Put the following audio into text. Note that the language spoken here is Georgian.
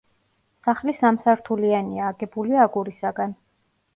სახლი სამსართულიანია, აგებულია აგურისაგან.